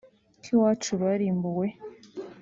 ko iwacu barimbuwe